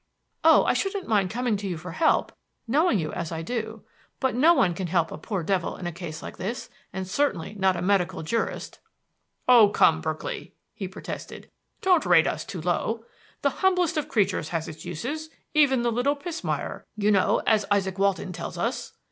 "Oh, I shouldn't mind coming to you for help, knowing you as I do. But no one can help a poor devil in a case like this and certainly not a medical jurist." "Oh, come, Berkeley!" he protested, "don't rate us too low. The humblest of creatures has its uses 'even the little pismire,' you know, as Izaak Walton tells us.